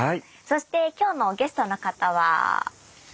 そして今日のゲストの方は。